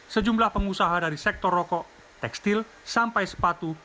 sejumlah pengusaha dari sektor rokok tekstil sampai sepatu